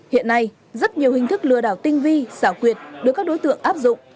hiện nay rất nhiều hình thức lừa đảo tinh vi xảo quyệt đối với các đối tượng áp dụng